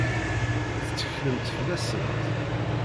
Tetteklemt fell-asent?